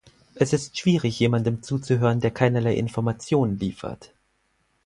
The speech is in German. Es ist schwierig, jemandem zuzuhören, der keinerlei Informationen liefert.